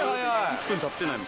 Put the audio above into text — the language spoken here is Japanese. １分たってない。